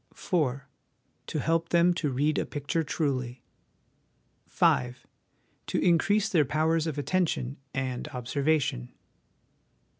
" 4. To help them to read a picture truly. " 5. To increase their powers of attention and observation.